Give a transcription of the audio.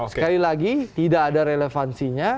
sekali lagi tidak ada relevansinya